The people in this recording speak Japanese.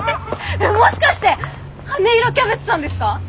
もしかして羽色キャベツさんですか？